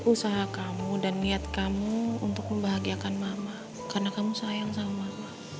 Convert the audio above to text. usaha kamu dan niat kamu untuk membahagiakan mama karena kamu sayang sama